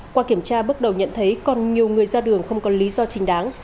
qua kiểm tra bắt đầu nhận thấy còn nhiều người ra đường không có lý do trình đáng